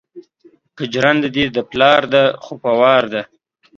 که جرنده دې د پلار ده خو په وار ده